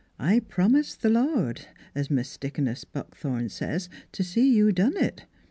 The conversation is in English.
I promised th' Lord es Mis' Dea coness Buckthorn says to see you done it.